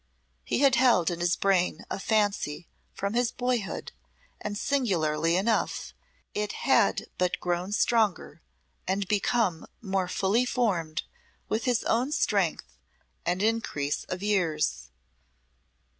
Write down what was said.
He had held in his brain a fancy from his boyhood, and singularly enough it had but grown stronger and become more fully formed with his own strength and increase of years.